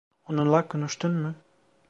Onunla konuştun mu?